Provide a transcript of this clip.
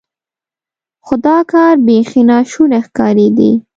خو دا کار بیخي ناشونی ښکاري.